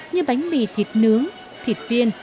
như bánh mì thịt nướng thịt viên